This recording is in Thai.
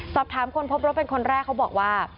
สอบถามคนพบรถเป็นคนแรกเขาบอกว่า